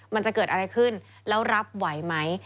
มันจะเกิดอะไรขึ้นแล้วรับไหวไหม